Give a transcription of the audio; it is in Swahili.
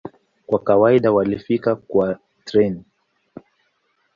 Kwa kawaida walifika kwa treni.